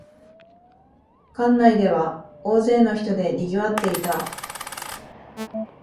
館内では大勢の人でにぎわっていた